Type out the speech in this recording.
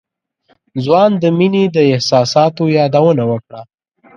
ځوان د مينې د احساساتو يادونه وکړه.